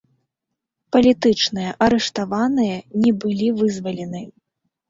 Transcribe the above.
Палітычныя арыштаваныя не былі вызвалены.